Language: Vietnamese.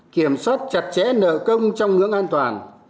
kiểm soát chặt chẽ nợ công trong ngưỡng an toàn